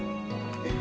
えっ？